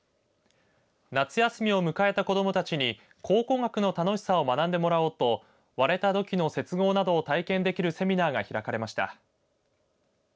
夏休みを迎えた子どもたちに考古学の楽しさを学んでもらおうと割れた土器の接合などを体験できるセミナーが開かれました。